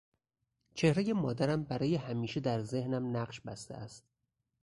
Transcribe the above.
چهرهی مادرم برای همیشه در ذهنم نقش بسته است.